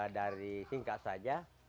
dari singkat saja